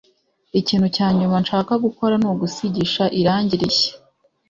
Ikintu cya nyuma nshaka gukora ni ugusigisha irangi rishya